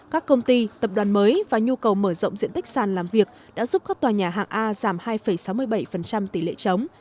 các công ty tập đoàn mới và nhu cầu mở rộng diện tích sàn làm việc đã giúp các tòa nhà hạng a giảm hai sáu mươi bảy tỷ lệ chống